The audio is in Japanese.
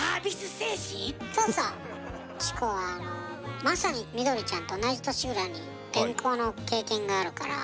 チコはあのまさにミドリちゃんと同じ年ぐらいに転校の経験があるから。